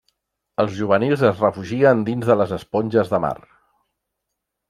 Els juvenils es refugien dins de les esponges de mar.